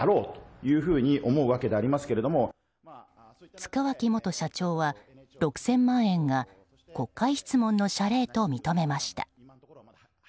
塚脇元社長は６０００万円が国会質問の謝礼と認めました。